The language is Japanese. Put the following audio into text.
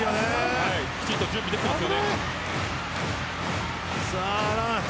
きちんと準備ができています。